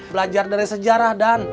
belajar dari sejarah dan